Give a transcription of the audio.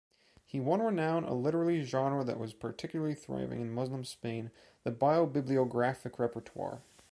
He won renown a literary genre that was particularly thriving in Muslim Spain, the bio-bibliographic repertoire.